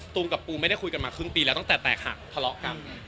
ตูมกับปูไม่ได้คุยกันมาครึ่งปีแล้วตั้งแต่แตกหัก